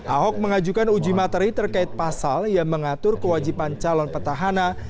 ahok mengajukan uji materi terkait pasal yang mengatur kewajiban calon petahana